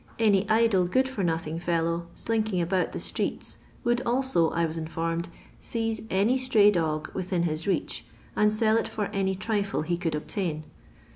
Any idle good for nothing fel low, slinking about the streets, would also, I was informed, seize any stray dog within his reach, and fell it for any trifle he could obtain.